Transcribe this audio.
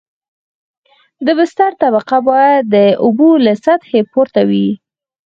د بستر طبقه باید د اوبو له سطحې پورته وي